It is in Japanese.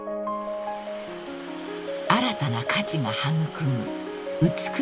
［新たな価値が育む美しき渓流］